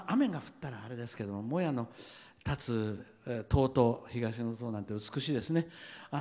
雨が降ったらあれですけどもやの立つ東塔なんて美しいですね。